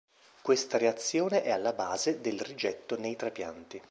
Questa reazione è alla base del rigetto nei trapianti.